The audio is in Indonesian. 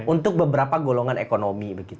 untuk beberapa golongan ekonomi